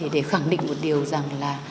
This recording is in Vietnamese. để khẳng định một điều rằng là